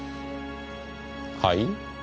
はい？